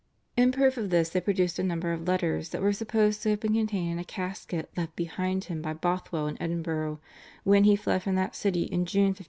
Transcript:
In proof of this they produced a number of letters that were supposed to have been contained in a casket left behind him by Bothwell in Edinburgh, when he fled from that city in June 1567.